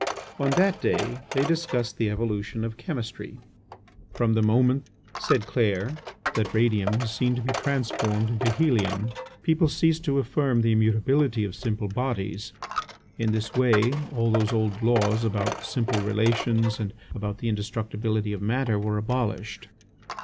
On that day they discussed the evolution of chemistry. "From the moment," said Clair, "that radium was seen to be transformed into helium, people ceased to affirm the immutability of simple bodies; in this way all those old laws about simple relations and about the indestructibility of matter were abolished."